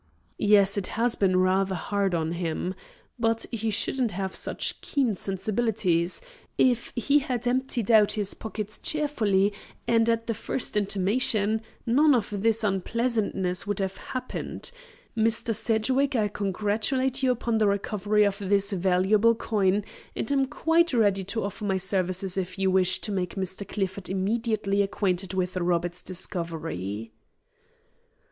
"Yes, it has been rather hard on him. But he shouldn't have such keen sensibilities. If he had emptied out his pockets cheerfully and at the first intimation, none of this unpleasantness would have happened. Mr. Sedgwick, I congratulate you upon the recovery of this valuable coin, and am quite ready to offer my services if you wish to make Mr. Clifford immediately acquainted with Robert's discovery."